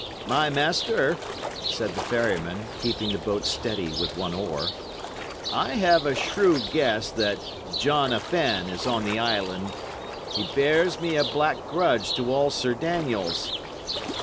"My master," said the ferryman, keeping the boat steady with one oar, "I have a shrew guess that John a Fenne is on the island. He bears me a black grudge to all Sir Daniel's.